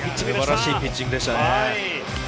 素晴らしいピッチングでしたね。